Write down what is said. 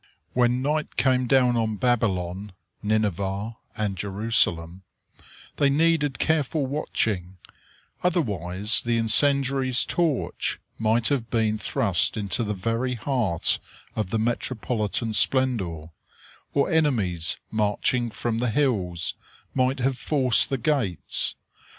When night came down on Babylon, Nineveh, and Jerusalem, they needed careful watching, otherwise the incendiary's torch might have been thrust into the very heart of the metropolitan splendor; or enemies, marching from the hills, might have forced the gates.